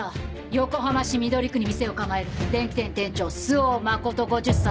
横浜市緑区に店を構える電気店店長周防誠５０歳。